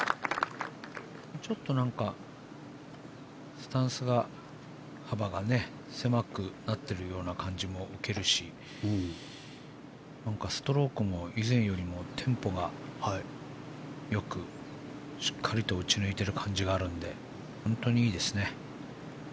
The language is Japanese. ちょっとスタンス幅が狭くなってるような感じも受けるしなんかストロークも以前よりもテンポがよくしっかりと打ち抜いてる感じがあるので本当にいいですね。